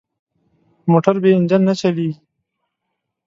موټر بې انجن نه چلېږي.